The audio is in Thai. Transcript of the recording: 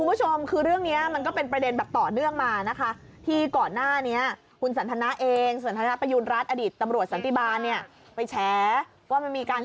คุณผู้ชมคือเรื่องนี้มันก็เป็นประเด็นต่อเนื่องมานะคะ